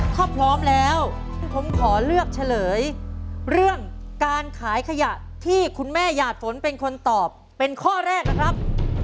ถ้าพร้อมแล้วผมขอเลือกเฉลยเรื่องการขายขยะที่คุณแม่หยาดฝนเป็นคนตอบเป็นข้อแรกนะครับ